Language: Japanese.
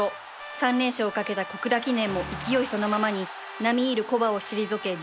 ３連勝を懸けた小倉記念も勢いそのままに並み居る古馬を退け重賞初勝利